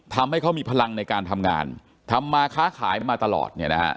ทำให้เขามีพลังในการทำงานทำมาค้าขายมาตลอดเนี่ยนะฮะ